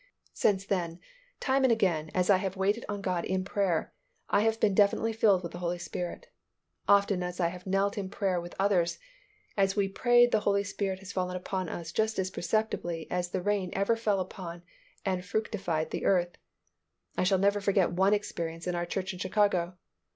Since then time and again as I have waited on God in prayer, I have been definitely filled with the Holy Spirit. Often as I have knelt in prayer with others, as we prayed the Holy Spirit has fallen upon us just as perceptibly as the rain ever fell upon and fructified the earth. I shall never forget one experience in our church in Chicago.